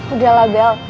udah lah bel